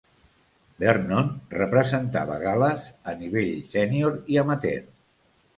Vernon representava Gal·les a nivell sènior i amateur.